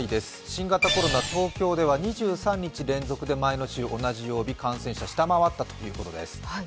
新型コロナ、東京では２３日連続で前の週の同じ曜日、感染者、下回ったということです。